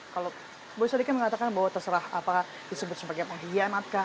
kalau boy sadikin mengatakan bahwa terserah apakah disebut sebagai pengkhianatkah